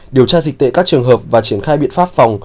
điều tra dịch tễ các trường hợp và triển khai biện pháp phòng